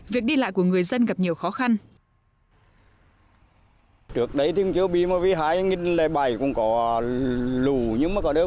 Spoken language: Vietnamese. việc đi lại của người dân gặp nhiều khó khăn